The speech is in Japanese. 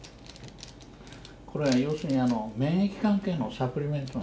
これは要するに免疫関係のサプリメントなんです。